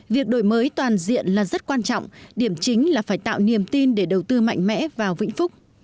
việc đổi mới toàn diện là rất quan trọng điểm chính là phải tạo niềm tin để đầu tư mạnh mẽ vào vĩnh phúc